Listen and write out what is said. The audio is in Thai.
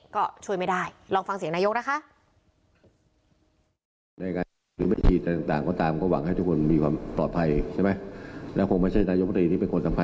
ก็ช่วยไม่ได้ลองฟังเสียงนายกนะคะ